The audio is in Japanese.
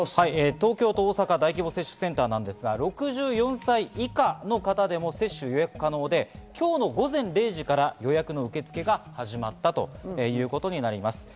東京と大阪の大規模接種センターですが、６４歳以下の方でも接種予約可能で、今日の午前０時から予約の受け付けが始まったということになります。